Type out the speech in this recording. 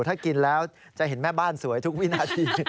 ถ้ากินแล้วจะเห็นแม่บ้านสวยทุกวินาที